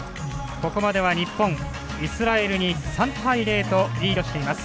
ここまでは日本、イスラエルに３対０とリードしています。